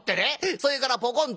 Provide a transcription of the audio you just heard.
それからポコンと」。